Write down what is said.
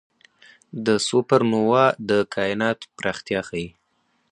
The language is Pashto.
د سوپرنووا Ia د کائنات پراختیا ښيي.